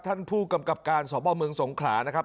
ท่านผู้กำกับการสพเมืองสงขลานะครับ